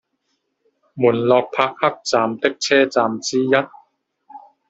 门洛帕克站的车站之一。